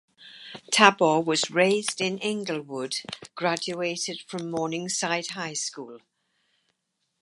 Tabor was raised in Inglewood graduated from Morningside High School.